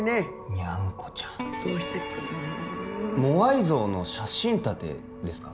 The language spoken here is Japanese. ニャンコちゃんどうしてっかなモアイ像の写真立てですか